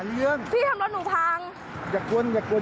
ลุงลุงจับคนนั้นให้หน่อย